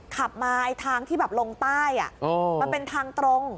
ขับมาทางที่แบบลงใต้มันเป็นทางตรง